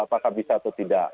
apakah bisa atau tidak